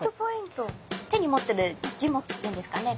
手に持ってる持物っていうんですかね